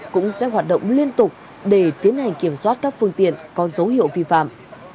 cũng sẽ hoạt động liên tục để tiến hành kiểm soát các phương tiện có dấu hiệu vi phạm